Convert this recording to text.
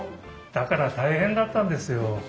だから大変だったんですよ。